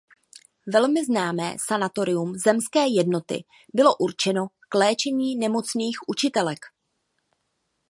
Velmi známé sanatorium zemské jednoty bylo určeno k léčení nemocných učitelek.